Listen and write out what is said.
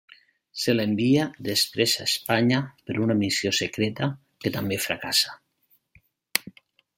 Se l'envia després a Espanya per una missió secreta, que també fracassa.